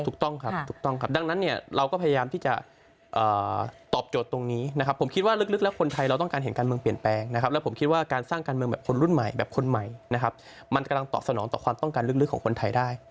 ถูกต้องครับถูกต้องครับดังนั้นเนี่ยเราก็พยายามที่จะตอบโจทย์ตรงนี้นะครับผมคิดว่าลึกแล้วคนไทยเราต้องการเห็นการเมืองเปลี่ยนแปลงนะครับแล้วผมคิดว่าการสร้างการเมืองแบบคนรุ่นใหม่แบบคนใหม่นะครับมันกำลังตอบสนองต่อความต้องการลึกของคนไทยได้